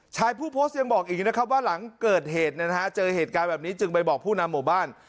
ผู้โพสต์ยังบอกอีกนะครับว่าหลังเกิดเหตุเจอเหตุการณ์แบบนี้จึงไปบอกผู้นำหมู่บ้าน